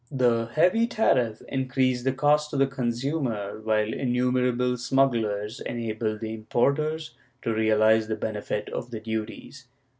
The heavy tariff increased the cost to the consumer, while innumerable smugglei"s enabled the importers to realize the benefit of the duties.